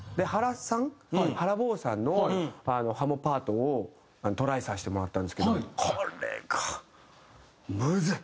原坊さんのハモパートをトライさせてもらったんですけどこれがむずい。